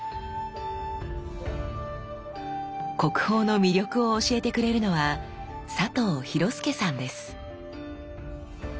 国宝の魅力を教えてくれるのは佐藤寛介さんです。